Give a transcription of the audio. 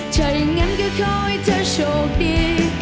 ถ้าอย่างนั้นก็ขอให้เธอโชคดี